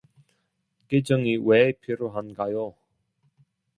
계정이 왜 필요한가요?